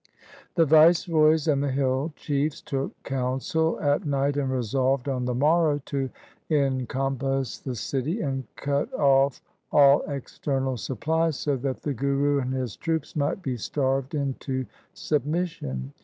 The viceroys and the hill chiefs took counsel at night and resolved on the morrow to encompass the city, and cut off all external supplies, so that the Guru and his troops might be starved into sub mission.